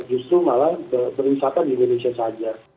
justru malah berwisata di indonesia saja